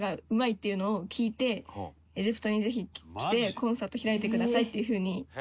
エジプトにぜひ来てコンサート開いてくださいっていうふうに。